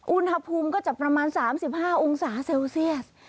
อุณหภูมิก็จะประมาณ๓๕องศาเซลเซียส